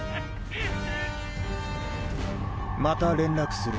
また連絡する。